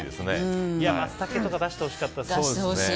マツタケとか出してほしかったですね。